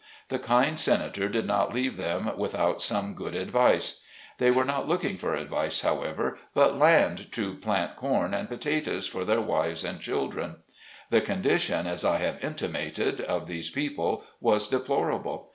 The kind Senator did not leave them without some good advice. They were not looking for advice, however, but land to plant corn and potatoes, for their wives and children. The condition, as I have intimated, of these people was deplorable.